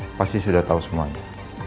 ibu lydia pasti sudah tahu semuanya